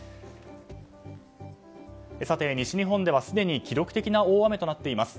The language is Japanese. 西日本ではすでに記録的な大雨となっています。